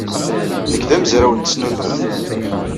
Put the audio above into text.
Nekk d amezraw n tesnudert.